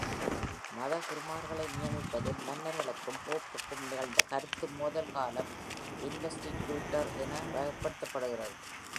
மதகுருமார்களை நியமிப்பதில் மன்னர்களுக்கும் போப்புக்கும் நிகழ்ந்த கருத்து மோதல் காலம் இன்வெஸ்ட்டிட்யூர் என வகைப்படுத்தப்படுகிறது.